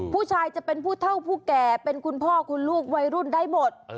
ผู้ชายจะเป็นผู้เท่าผู้แก่เป็นคุณพ่อคุณลูกวัยรุ่นได้หมด